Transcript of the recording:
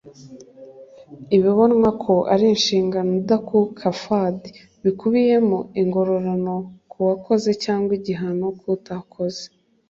ibibonwa ko ari inshingano idakuka (farḍ) [bikubiyemo ingororano ku wakoze cyangwa igihano ku utakoze]